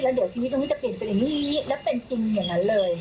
แล้วชีวิตต้องให้จะเปลี่ยนเป็นอันนี้แล้วเป็นจริงอย่างนั้นเลย